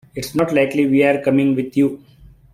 It's not likely we're coming with you.